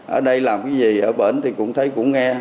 ở đây làm cái gì ở bến thì cũng thấy cũng nghe